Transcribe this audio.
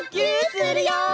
するよ！